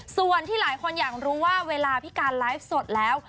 ส่วนที่หลายคนอยากรู้ว่าเวลาพี่การไลฟ์สดแล้ว